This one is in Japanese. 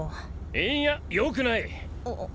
いんやよくない！ぁ！